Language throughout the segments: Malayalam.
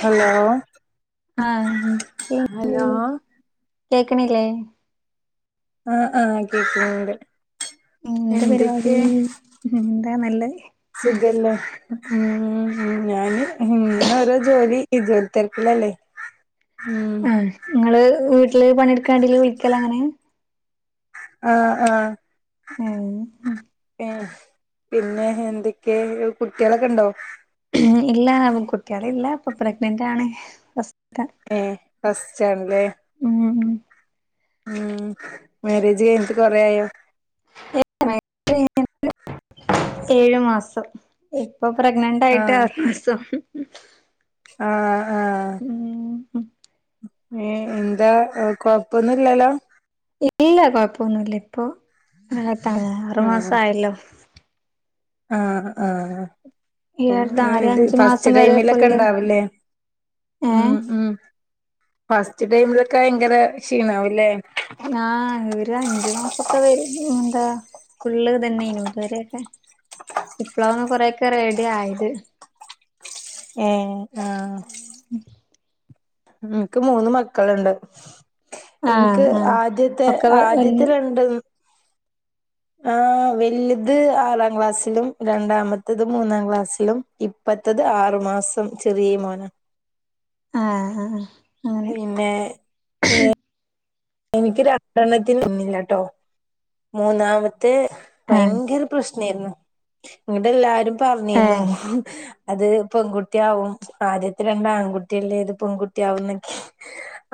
ഹലോ. ആ ഹലോ കേക്ക്ണില്ലേ? ആ ആ കേക്ക്ന്ന്ണ്ട്. മ് എന്താ പരിപാടി? എന്താ നല്ലത്. സുഖല്ലേ ഉം ഞാന് ഉം ഇങ്ങനെ ഓരോ ജോലി ഇജ്ജൊ തെര്ക്കില്ലല്ലേ? നിങ്ങള് വീട്ടില് പണിയെടുക്കാ ണ്ടെല് വിളിക്കല ഇങ്ങനെ? ആഹ് ആഹ്. ഉം. ഏ പിന്നെ എന്തൊക്കെ കുട്ട്യളൊക്കെണ്ടോ? ഉം ഇല്ല കുട്ട്യളില്ല ഇപ്പൊ പ്രഗ്നൻ്റ് ആണ് ഫസ്റ്റ ഏ ഫസ്റ്റാണ്ലേ. ഉം. ഉം മേരേജ് കയ്ഞ്ഞിട്ട് കൊറെ ആയോ? മേരജ് കയ്ഞ്ഞിട്ട് ഏഴ് മാസം ഇപ്പോ പ്രഗ്നന്റ് ന്റായിട്ട് ആഹ് ആറ് മാസം. ആഹ് ആഹ്. ഉം ഏ എന്താ കൊഴപ്പൊന്നുല്ലല്ലോ? ഇല്ല കൊഴപ്പൊന്നുല്ല ഇപ്പോ റാഹത്താണ് ആഹ് അറുമാസആയല്ലോ. ആഹ് ആഹ് ഈ അടുത്ത ആറ് അഞ്ചു ഫസ്റ്റ് മാസം വരെ ടൈമിലൊക്കെ ഫുള്ള് ഉണ്ടാവില്ലേ. ഉം ഏഹ് ഉം ഫസ്റ്റ് ടൈമിലൊക്കെ ഭയങ്കര ക്ഷീണാവുംല്ലേ? ആ ഒര് അഞ്ചു മാസക്കെ വരും ന്താ. ഫുള്ള് ഇതന്നെനൂ ഇതുവരെക്കെ ഇ പ്ലാന്ന് കൊറെയൊക്കെ റെഡി ആയത്. ഏഹ് ആഹ്. മ് ഇൻക്ക് മൂന്ന് മക്കള്ണ്ട്. ആഹ് ഇൻക്ക് ആഹ് ആദ്യത്തെ ഒക്കെ വല്യ ആദ്യത്തെ രണ്ടും ആ വല്ത് ആറാം ക്ലാസ്സിലും രണ്ടാമത്തത് മൂന്നാം ക്ലാസ്സിലും ഇ പ്പത്തത് ആറു മാസം ചെറ്യോമോന. ആഹ് ആഹ്. അങ്ങനെ പിന്നെ ഏ എനിക്ക് രണ്ടെണ്ണത്തിന് ഒന്നില്ലട്ടോ മൂന്നാമത്തെ ആഹ് ഭയങ്കര പ്രശ്നേന്നു ഇങ്ങട്ട് എല്ലാരും പർഞ്ഞേന്നു. ഏഹ് അത് പെൺകുട്ടി ആവും ആദ്യത്തെ രണ്ട് ആൺകുട്ട്യാല്ലേ ഇത് പെൺകുട്ടിയാവും ന്നൊക്കെ.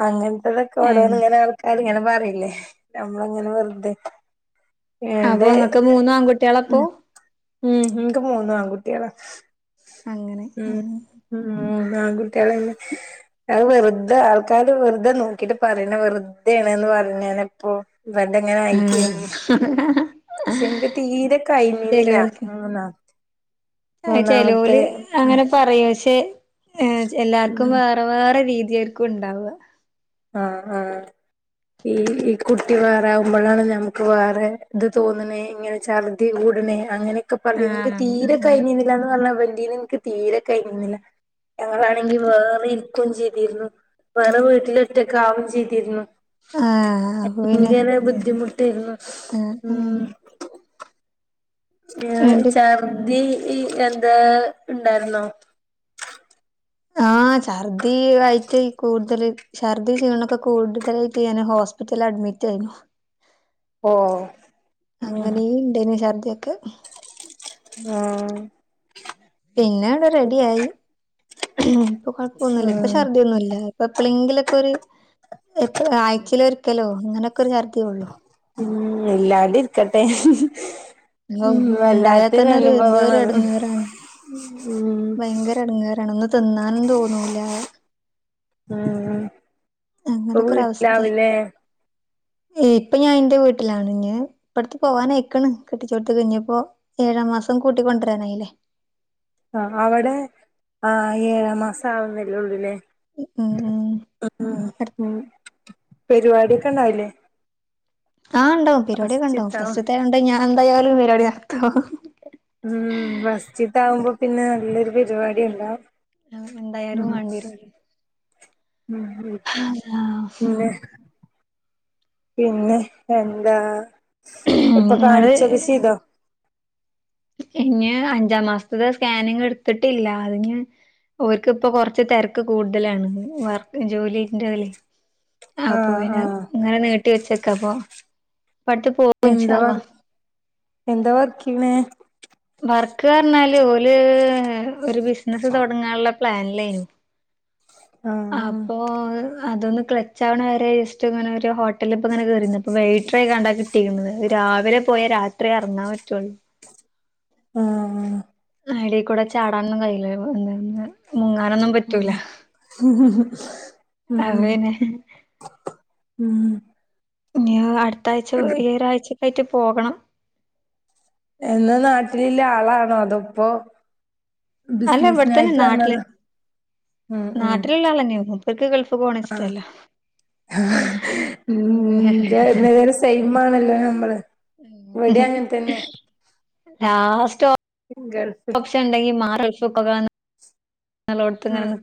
അങ്ങൻത്തെതൊക്കെ ഏഹ് ഓരോന്ന് ഇങ്ങനെ ആൾക്കാര് ഇങ്ങനെ പറീലെ നമ്മളങ്ങനെ വെർതെ അപ്പോ ഇങ്ങക്ക് മൂന്ന് ആൺകുട്ട്യാ ളാപ്പോ? ഉം ഉം ഇൻക്ക് മൂന്ന് ആൺകുട്ട്യാളാ. അങ്ങനെ ഹ്മ്മ് ഹ്മ്മ് ബാങ്കൊടുക്കാനായില്ലേ അത് വെറുതെ ആൾക്കാര് വെറുതെ നോക്കിട്ട് പറിണാ വെറ് തെണന്ന് പറഞ്ഞാനപ്പോ ഇവാന്റെ ഇങ്ങനെ ആയിക്കേനി [inaudible] പക്ഷേ നമ്മക്ക് തീരെ ടൈമിംഗില്ല എങ്ങനാന്ന് ആഹ് ചെലോല് അങ്ങനെ പറയും പക്ഷേ ഏഹ് ഉം എല്ലാർക്കും വേറെ വേറെ രീതിയായിരിക്കും ഇണ്ടാവാ ആഹ് ആഹ് ഈ ഈ കുട്ടി വേറാവുമ്പഴാണ് ഞമ്മക്ക് വേറെ ഇത് തോന്ന്ണേ ഇങ്ങനെ ഛർ ദി കൂട്നെ അങ്ങനൊക്കെ പറഞ്ഞ് നിനക്ക് ആഹ് തീരെ ആഹ് കഴി ഞ്ഞിലാന്ന് പറഞ്ഞ വണ്ടിന്ന് ഇൻക്ക് തീരെ കഴുന്നില്ല ഞങ്ങളാണെങ്കിൽ വേറെ ഇരിക്കും ചെയ്തിരുന്നു, വേറെ വീട്ടില് ട്ട്ലൊക്കാവും ചെയ്തിരുന്നു. ആഹ് അപ്പൊ പിന്നെ ഭയങ്കര ബുദ്ധിമുട്ടായിരുന്നു ആഹ് ആഹ് ഹ്മ്മ് ഞാൻ എന്നിട്ട് ഛർദി ഈ എന്താ ഇണ്ടായിരുന്നോ? ആഹ് ഛർദി വയറ്റി കൂടുതല് ഛർദി ക്ഷീണൊക്കെ കൂടുതലായിട്ട് ഞാൻ ഹോസ്പിറ്റലി അഡ്മിറ്റായിരുന്നു. ഓഹ് ഉം അങ്ങനീം ഇണ്ടായിഞ്ഞോ ഛർദിയൊക്കെ ആഹ്. പിന്നാണ്ട് റെഡിയായി ഇപ്പോ കൊഴപ്പൊന്നുല്ല, ഇപ്പോ ആഹ് ഛർദ്ദിയൊന്നുംല്ല. അപ്പ എപ്പളെങ്കിലൊക്കെ ഒരു എപ്പള് ആഴ്ചയിലൊരിക്കലോ അങ്ങനൊക്കൊരു ഛർദിയേ ഉള്ളു. ഹ്മ്മ് ഇല്ലാതിരിക്കട്ടെ ഔഹ് ഉണ്ടായാ തന്നെ ഒര് എന്തൊരു എടങ്ങേറാണ്. ഹ്മ്മ് ഭയങ്കര എടങ്ങേറാണ് ഒന്ന് തിന്നാനും തോന്നൂല ആഹ് അങ്ങനൊക്കൊരവത്തേ [inaudible] ഇപ്പൊ ഞാനെന്റെ വീട്ടിലാണ്. ഇനി ഇപ്പട്ത്ത് പോവാനായിക്ക്ണ്. കെട്ടിച്ചോട്ത്ത് ഇനിയിപ്പോ ഏഴാം മാസം കൂട്ടിക്കൊണ്ടരാനായില്ലേ? ആഹ് അവടെ ആ ഏഴാം മാസം ആവുന്നള്ളുല്ലേ ആഹ് ആഹ് ആഹ് അപ്പം പെരുവാടിയൊക്കെ ഇണ്ടാവുല്ലേ ആഹ് ഇണ്ടാവും പരിവാടിയൊക്കെ ഇണ്ടാവും ഫസ്റ്റ്ത്താവും ഫസ്ത്തായോണ്ട് ഞാൻ എന്തായാലും പരിവാടി നടത്തും. ഹ്മ്മ് ഫസ്റ്റ്ത്താവുമ്പോ പിന്നെ നല്ലൊരു പരിവാടി ടി ഇണ്ടാവും. എന്തായാലും ഹ്മ്മ്, വേണ്ടിവരുല്ലോ പിന്നെ പിന്നെ എന്താ ഇപ്പ ഇങ്ങള് കാൻച്ചൊക്കെ ചെയ്തോ ഇനി അഞ്ചാം മാസത്തെ സ്കാനിങ്ങ് ഇടുത്തിട്ടില്ല അതിന് ഒൽക്ക് ഇപ്പ കൊറച്ച് തെരക്ക് കൂടുതലാണ് വർക്ക് ജോലി ജോലിന്റെ ഇതിലെ അപ്പം ആഹ് പിന്നെ ആഹ് ഇങ്ങനെ നീട്ടി വെച്ചക്കാ അപ്പം ഇപ്പട്ത്ത് എന്തോ എന്താ വർക്കെയ്യ്ണേ വർക്ക് പറഞ്ഞാല് ഓല് ഒരു ബിസ്സ്നസ് തൊടങ്ങാനുള്ള പ്ലാന്ലെനു. ആഹ് അപ്പോ അതൊന്ന് ക്ലച്ചാവ്ണ വരെ ജസ്റ്റ് ഇങ്ങനൊരു ഹോട്ടലിൽ ഇപ്പം ഇങ്ങനെ കയറിന്ന് ഇപ്പ വൈറ്ററായാണ്ടാ കി ട്ടിയിരുന്നത്. രാവിലെ പോയാേ രാത്രി എറങ്ങാൻ പറ്റൊള്ളൂ ആഹ് ആഹ്. അയിലേ കൂടെ ചാടാനന്നും കയ്യില്ല എന്ത മുങ്ങാനൊന്നും ഉം പറ്റൂല അത് ഉംഹ് പിന്നെ ഉം ഇനിയ അടുത്ത ആഴ്ച ഈരാഴ്ചക്കായിട്ട് പോകണം. എന്ന നാട്ടിലില്ല ആളാണോ അതിപ്പോൊ അല്ല ഇവിടെത്തന്നെ നാട്ടില് വന്നതാ ഉം ഉം നാട്ടിലള്ള ആൾന്നെര്ന്നു. വർക്ക് ഗൾഫിപോണേ ഇഷ്ടല്ല. ഉം ഇന്റെ നേരെ സൈമാണല്ലോ നമ്മള്. ഇവിട്യേങ്ങന തന്നെ. ലാസ്റ്റോ ങ്കൾ നിച്ച്ണ്ടൊങ്കി മാറൊരുശുഖവാണ് [unintelligible] ഉം നല്ലോങ്ങനെ.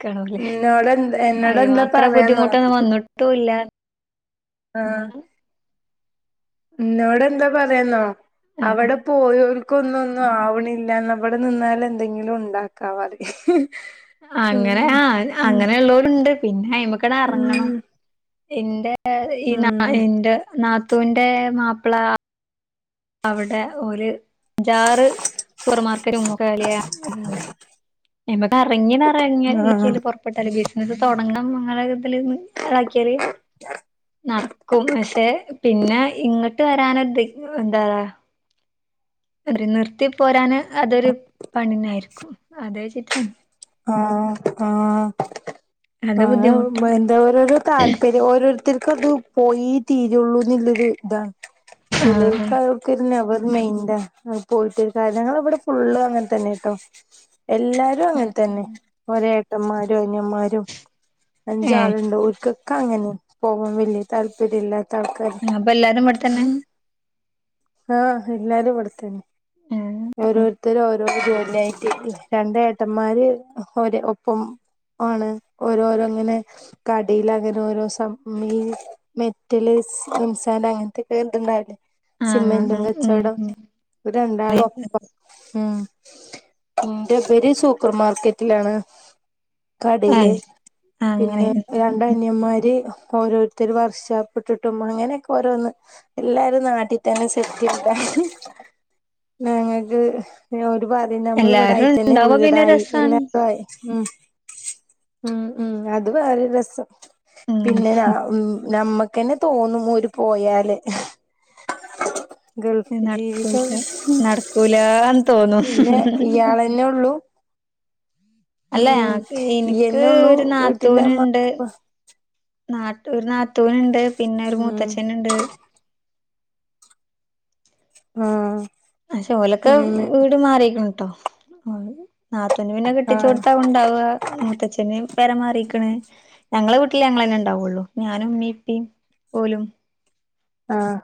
ക്കാണുല്ലേ എന്നോട് എന്നോട് അയിന് എന്താ മാത്ര പറയാന്നോ ബുദ്ധിമുട്ടൊന്നും വന്നിട്ടുല്ല. എന്നാ ആഹ് ന്നോടെ എന്താ പറയാന്നോ ആഹ് അവിടെ പോയൊരു ക്ക് ഒന്നും ഒന്നും ആവണല്ലന്നവിടെ നിന്നാൽ എന്തെങ്കിലും ഉണ്ടാക്കാപറി അങ്ങനെ ആ അങ്ങനെുള്ളലു ടണ്ട് പിന്നെയമക്ക് ഉം എറങ്ങണം എന്റെ ഈ ന ഉം ഇന്റെ നാത്തൂന്റെ മാപ്പിള അവിടെ ഒല് ജാറ് സൂപ്പർമാർക്കറ്റ്ക്കെ പോലെയ നമക്ക് ഇറങ്ങി ആഹ് ഇറങ്ങ പുറപ്പെട്ടാലല് ബിസിനസ്സ് തുടങ്ങണം അങ്ങനെ തിലും ഇതാക്കിയാല് നടക്കും പക്ഷെ പിന്നെ ഇങ്ങോട്ട് വരാനത് എന്താവ ഒരു നിർത്തി പോരാന് അതൊരു പണിനായിരിക്കും അത വച്ചിട്ടാ ആഹ് ആ ആഹ് [unintelligible] അത് ബുദ്ധിമുട്ടാവും അത ഓരോരോ താല്പര്യം ഓരോരുത്തർക്കും അത് പോയി തീരുള്ളൂ എന്നില്ലത് ഇതാ ആഹ് ചെലോലക് അത് നെവർമെയിന്റെ പോയിട്ട ഒരു കാര്യ ങ്ങ ഇവിടെ ഫുള്ള് അങ്ങനെ തന്നെട്ടോ എല്ലാ ആഹ് അങ്ങനെ തന്നെ ഓരേട്ടൻമാരും അന്യന്മാരും ഏഹ് അഞ്ചാള്ണ്ട് ഓൽക്ക് ക്കങ്ങനെ പോവാൻ വല്യ താല്പര്യം ഇല്ലാത്ത ആൾക്കാര് അപ്പൊ എല്ലാരും ഇവിടെത്തന്നെ ആഹ് എല്ലാരും ഇവടെത്തന്നെ ആഹ് ഓരോരുത്തര് ഓരോ ജോലിയായിട്ട് രണ്ടേട്ടന്മാര് ഓര് ഒപ്പം ആണ് ഓരോരോ ങ്ങനെ കടേല് അങ്ങനെ ഓരോ സം ഈ മെറ്റല് എംസന്റ് അങ്ങനത്തെക്കെ ഇത് ണ്ടാവില്ലേ സിമെന്റും ആഹ് ഉം കച്ചോടം- ഉം ഓര് രണ്ടാളാ ഏഹ് ഉം ഇന്റെ ഇബര് സൂപ്പർമാർക്കറ്റിലാണ്. കടേല് അങ്ങനെ പിന്നെ രണ്ടനിയമ്മാര് ഓരോരു ത്തൊരു വർഷാപ്പിട്ടിട്ടും അങ്ങനെയൊക്കെ ഓരോന്ന് എല്ലാരും നാട്ടിത്തന്നെ സെറ്റിൽഡ ഞങ്ങക്ക് പിന്നെ ഓര് പറേം നമ്മള് എല്ലാരും ഇവിടായിട്ടന്നെ ഉണ്ടാവുമ്പോ പിന്നെ വീടായി രസാണ് എല്ലാതും ആയി ഉം- ഉം ഉം അത് വേറെരു രസം ഉം പിന്നെ ഞ ഉം. നമ്മക്കെന്നെ തോന്നും ഓര് പോയാല് ഗൾഫ് ജീവിതം പൂലാന്ന് തോന്നും ന്നെള്ളൂ? അല്ല ഞക്ക് ഇന്ക്ക് ഇയ്യന്നെ ഉള്ളൂ ഒരു വീട്ടിലെ നാത്തൂനുണ്ട്. അമ്മക്ക് നാട്ടു ഒരു നാത്തൂന്ണ്ട് പിന്നെ ഒരു ഉം മൂത്തച്ഛന്ണ്ട്. ആഹ്. പക്ഷെ ഓലൊക്കെ അങ്ങനെ വീട് മാറീക്ക്ണ് ട്ടോ ഒ നാത്തൂന് പിന്നെ ആഹ് കെട്ടിച്ചോടത്താവും ണ്ടാവാ മൂത്തച്ഛന് പെരമാറിക്ക്ണ്. ഞങ്ങളെ വീട്ടില് ഞങ്ങളന്നെ ണ്ടാവുള്ളൂ ഞാനും ഇമ്മീം ഇപ്പിം ഓലും ആഹ്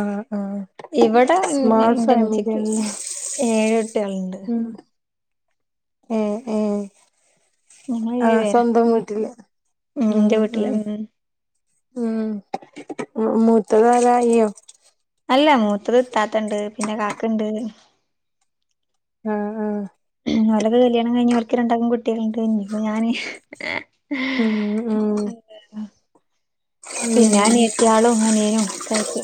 ആഹ് ആഹ് ഇവടെ ന്റെ സ്മാൾ ഇമ്മച്ചിക്ക് ഫാമിലിയാണല്ലേ ഏഴ് കുട്ട്യാളുണ്ട് ഉം ഏഹ് ഏഹ് ഞങ്ങള് ഏഴു ആഹ് പേരാ സ്വന്തം വീട്ടില് ഉം ഇന്റെ ഉം വീട്ടില് ഉം മൂ മൂത്തതാര ഇയ്യോ അല്ല മൂത്തത് ഇത്താത്ത ണ്ട് പിന്നെ കാക്കണ്ട് ആഹ് ആഹ് ഓലൊക്കെ കല്യാണം കയിഞ്ഞ് ഓല്ക്ക് രണ്ടാക്കും കുട്ട്യാളിണ്ട് ഇഞ്ഞിപ്പോ ഞാന് ഉം ആഹ് പിന്നെ അനിയത്ത്യാളും അനിയനും ഒക്കെ ആയിട്ട്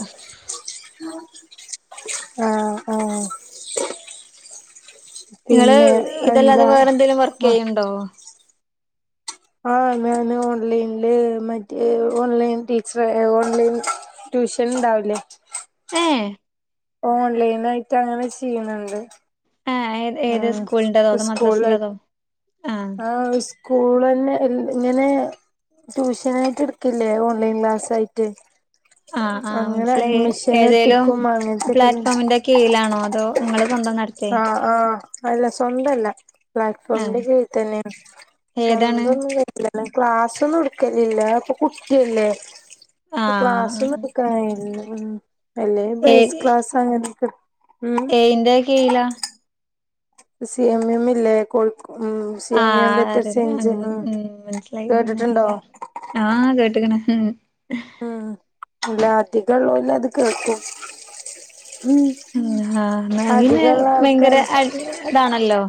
ആഹ് ആഹ് നിങ്ങള് പിന്നെ എന്താ മ ണ്ടോ ആഹ് ഞാന് ഓൺലൈനില് മറ്റേ ഓൺലൈൻ ടീച്ചർ ഓൺലൈൻ ട്യൂഷൻ ണ്ടാവില്ലേ ഏഹ് ഓൺലൈനായിട്ട് അങ്ങനെ ചെയ്യിണിണ്ട് ആഹ് ഏ ഏത് സ്കൂളിന്റെതോ അതോ മദ്രസിന്റെതോ ആഹ് ആഹ് സ് സ്കൂളന്നെ എ ഇങ്ങനെ ട്യൂഷനായിട്ട് ഇടുക്കില്ലേ ഓൺലൈൻ ക്ലാസ് ആയിട്ട് ആഹ് ആഹ് അങ്ങനെ മനസ്സിലായി അഡ്മിഷൻ ഏതേലും എത്തിക്കും അങ്ങനത്തെക്കെ പ്ലാറ്റ്ഫോമിന്റെ കീഴിലാണോ അതോ ഇങ്ങള് സ്വന്തം നടത്തെ ആഹ് അല്ല സ്വന്തല്ല ആഹ് പ്ലാറ്റ്ഫോമിന്റെ കീഴിത്തന്നെ ആണ് ഏതാണ് സ്വന്തം ഒന്നും ക്ലാസ്സൊന്നും ഇട്ക്കലില്ല ഇപ്പൊ കുട്ടിയല്ലേ ആഹ് ക്ലാസ്സൊന്നും കയിംന്ന് വെല്ലേ ഏ ബൈസ് ക്ലാസാങ്ങനെ ക്ട് മ് എയിന്റെക്കിയില സി എം എം ല്ലേ കോഴികൊ ഉം സി ആ എം എം ബെറ്റർ റി റിയ ചേഞ്ച് ഉം ഉ മൻസ്ലയി മ്മ് കേട്ടിട്ടുണ്ടോ അറ്യറിയ ആ കേട്ട്ക്ണ ഉം ഉം ഇല്ല അധികള്ളോല്ലത് കേൾക്കും ഉം ആല്ലാഹ് നവിനെ ഭയങ്കെരെ അയ് താണല്ലോ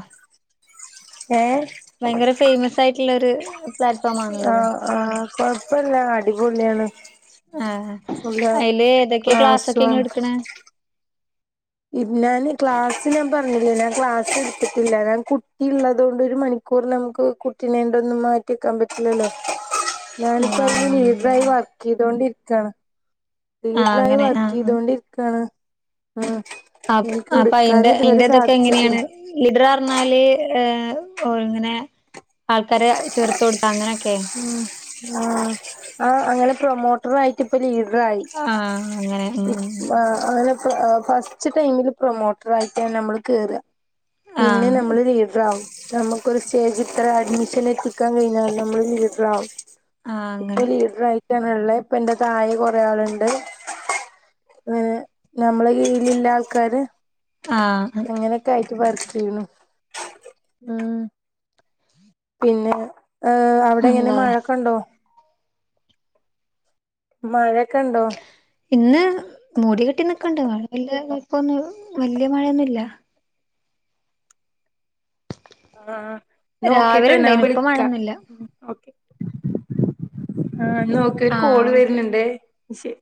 ഏ. ഹ് ഭയങ്കര ഫൈമസായിട്ടുള്ളൊര് പ്ലാറ്റ്ഫോം മാണ്ള്ളത് ആഹ് ആഹ് കൊഴപ്പല്ല അടിപൊള്യണ് ആ ഹ് അയില് ഏതൊക്കെ ക്ലാസൊക്കെ ക്ലാസും ഇങ്ങൾ ട്ക്ണെ ഇര് നാന് ക്ലാസ്സിൽ ഞാപർഞ്ഞില്ലേ ഞാക്ലാസ്ട്ത്ട്ടില്ല ഞാൻ കുട്ടി ള്ളതോണ്ട് ഒരു മണി കൂറ് നമുക്ക് കുട്ടിനെണ്ടന്നും മാറ്റികാം പറ്റില്ലല്ലോ ഞാനിപ്പോ അയില് ആഹ് ലീഡ്രായി വർക്കിതോണ്ടിര്ക്കാണ് ആഹ് ലീട്രായി അങ്ങനെ ആഹ് വർക്കിതൊണ്ടിര്ക്കണ് ഉം അപ് അപ്പൊഅയിന്റെതൊക്കെങ്ങനെയേണ് ലിഡ്ർഅർന്നാല് ഏഹ് ഓൾങ്ങനെ ആൾക്കാരെ ചെർത്തോട്ത്ത അങ്ങനൊക്കെ ആ ആഹ് അങ്ങനെ പ്രൊമോട്രായിട്ട് ഇപ്പൊ ലീഡ്രയി ഉം അ ആനപ്പൊ അ ഫസ്റ്റ് ടൈമില് പ്രൊമോട്രായിട്ട് നമ്മള് കേറ പിന്നെ ആഹ് നമ്മള് ലീഡ്രാവും നമുക്കൊരു സ്റ്റേജ് ത്ര അഡ്മിഷനെത്തിക്കാൻ കഴിഞ്ഞാലോ മ്മൾ ലീഡ്രാവും ആഹ് ഇപ്പൊ അങ്ങനെ ലീഡ്രായി റ്റനള്ളേ ഇപ്പൊന്റെ തായെ കൊറെ ആള്ണ്ട് വേ നമ്മളെ കീഴില്ള്ള ആൾക്കാര് ആഹ് അങ്ങനൊക്കെ ആയിറ്റ് വർക്കിയ്യിണു ഊ മ് പിന്നെ ഏ... അവ്ടെങ്ങനെ അള്ളാ മഴക്കെണ്ടോ മഴെക്കെണ്ടോ ഇന്ന് മൂടികെട്ടി നിക്ണ്ട് മഴ [unintelligible] വല്ല്യെ മഴ യൊന്നുംല്ല ആ.. ഹ് ന്ന ഓക്കെട്ടൊ രാവിലെ ന് ഞാ ഇണ്ടായിനു ഇപ്പ വിൾക്കാ മഴയൊന്നുല്ല ഓക്ക്‌ ആ.. ആഹ് ന്നോക്കെര്കോള് ഓക്കെ വര്ണ്ണ്ണ്ടേ ശര്